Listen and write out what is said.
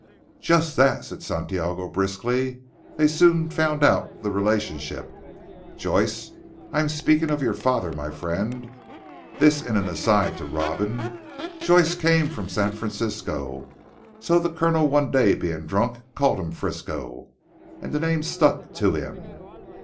"Just that," said Santiago briskly. "They soon found out the relationship. Joyce I am speaking of your father my friend," this in an aside to Robin, "Joyce came from San Francisco, so the Colonel one day being drunk, called him Frisco the name stuck to him.